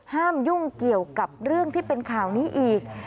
ยุ่งเกี่ยวกับเรื่องที่เป็นข่าวนี้อีก